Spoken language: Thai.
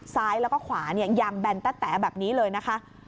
ซ้ายแล้วก็ขวายางแบนตะแต๋แบบนี้เลยนะคะ